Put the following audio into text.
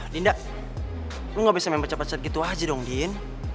dinda lo ga bisa memercapacet gitu aja dong din